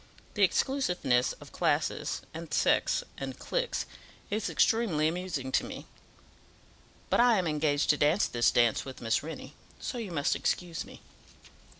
The exclusiveness of classes, and sects, and cliques, is extremely amusing to me. But I am engaged to dance this dance with Miss Rennie, so you must excuse me."